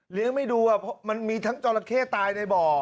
เลี้ยงไม่ดูอ่ะเพราะมันมีทั้งจราเข้ตายในบ่อ